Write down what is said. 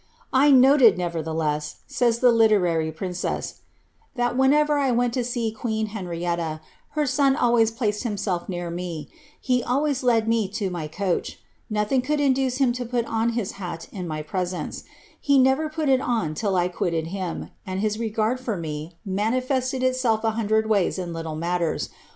^ I noted, nevertheless," says the literary princess, ^ that whenever I went to see queen Henrietta, her son always placed himself near me; he always led me to my coach ; nothing could induce him to put oo his hat in my presence ; he never put it on till J quitted him, and hii regard for me manifested itself a hundred ways in little matters.